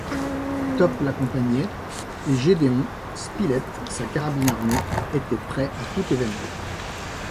Top l’accompagnait, et Gédéon Spilett, sa carabine armée, était prêt à tout événement